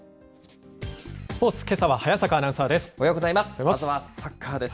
スポーツ、けさは早坂アナウンサーです。